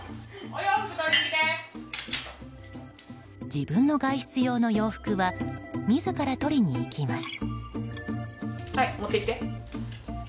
自分の外出用の洋服は自ら取りに行きます。